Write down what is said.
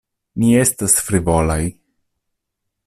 Ni estas frivolaj.